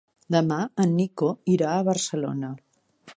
Demà en Nico irà a Barcelona.